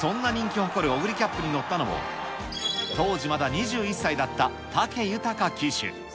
そんな人気を誇るオグリキャップに乗ったのも、当時まだ２１歳だった武豊騎手。